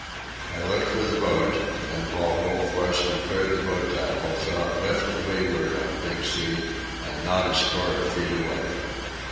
I looked for the boat, and, while Wolf Larsen cleared the boat tackles, saw it lift to leeward on a big sea and not a score of feet away.